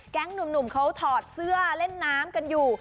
หนุ่มเขาถอดเสื้อเล่นน้ำกันอยู่